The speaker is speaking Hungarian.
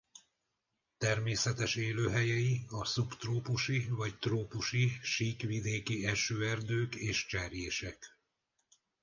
Természetes élőhelyei a szubtrópusi vagy trópusi síkvidéki esőerdők és cserjések.